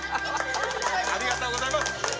ありがとうございます！